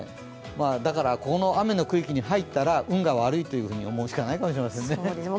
この雨の区域に入ったら、運が悪いと思うしかないですね。